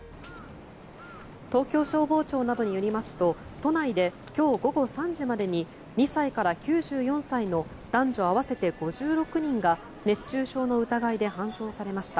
東京消防庁などによりますと都内で今日午後３時までに２歳から９４歳の男女合わせて５６人が熱中症の疑いで搬送されました。